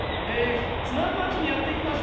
津南町にやって来ました。